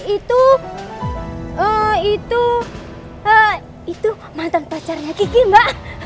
itu itu itu mantan pacarnya kiki mbak